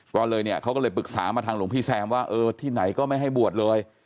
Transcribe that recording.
ก็เลยเนี่ยเขาก็เลยปรึกษามาทางหลวงพี่แซมว่าเออที่ไหนก็ไม่ให้บวชเลย